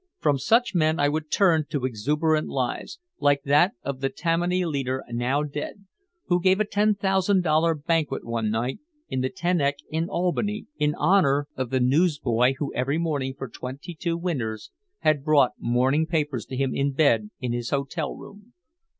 From such men I would turn to exuberant lives, like that of the Tammany leader now dead, who gave a ten thousand dollar banquet one night, in the Ten Eyck in Albany, in honor of the newsboy who every morning for twenty two winters had brought morning papers to him in bed in his hotel room.